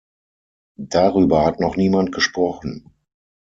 Darüber hat noch niemand gesprochen.